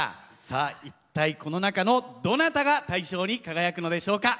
さあ一体この中のどなたが大賞に輝くのでしょうか。